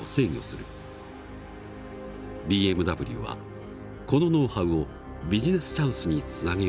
ＢＭＷはこのノウハウをビジネスチャンスにつなげようとしている。